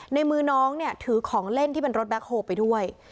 ในมือน้องเนี่ยถือของเล่นที่เป็นรถแบ็คโฮล์ไปด้วย